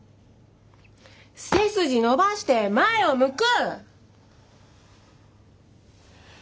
背筋伸ばして前を向く！